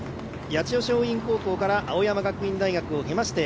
八千代松陰高校から青山学院大学を出まして